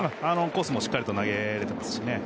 コースもしっかりと投げられてますしね。